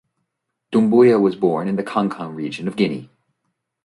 Doumbouya was born in the Kankan Region of Guinea.